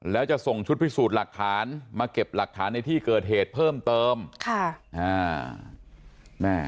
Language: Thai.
แล้วจะส่งชุดพิสูจน์หลักฐานมาเก็บหลักฐานในที่เกิดเหตุเพิ่มเติมค่ะอ่าแม่